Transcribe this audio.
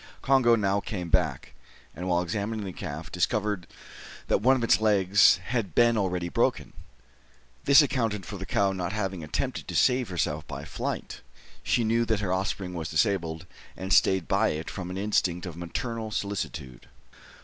Congo now came up, and, while examining the calf, discovered that one of its legs had been already broken. This accounted for the cow not having attempted to save herself by flight. She knew that her offspring was disabled, and stayed by it from an instinct of maternal solicitude.